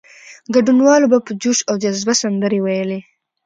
ګډونوالو به په جوش او جذبه سندرې ویلې.